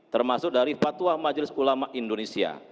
termasuk dari fatwa majelis ulama indonesia